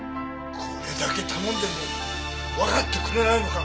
これだけ頼んでもわかってくれないのか。